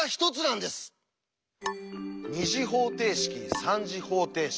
２次方程式３次方程式